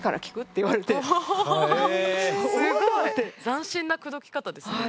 斬新な口説き方ですね。